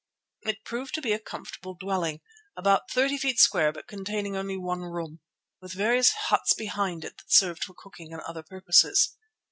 It proved to be a comfortable dwelling about thirty feet square but containing only one room, with various huts behind it that served for cooking and other purposes.